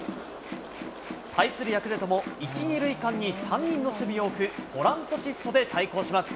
対するヤクルトも１、２塁間に３人の守備を置くポランコシフトで対抗します。